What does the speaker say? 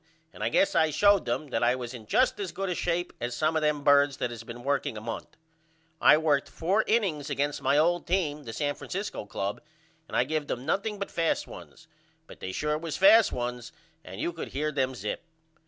and I guess I showed them that I was in just as good a shape as some of them birds that has been working a month. I worked 4 innings against my old team the San Francisco Club and I give them nothing but fast ones but they sure was fast ones and you could hear them zip.